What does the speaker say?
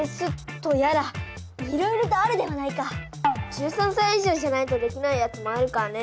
１３歳以上じゃないとできないやつもあるからね。